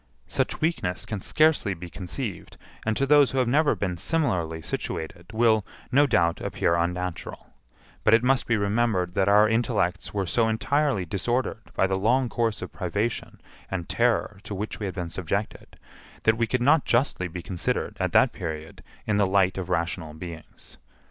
Such weakness can scarcely be conceived, and to those who have never been similarly situated will, no doubt, appear unnatural; but it must be remembered that our intellects were so entirely disordered by the long course of privation and terror to which we had been subjected, that we could not justly be considered, at that period, in the light of rational beings.